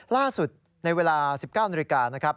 ล่าสุดในเวลา๑๙นาฬิกานะครับ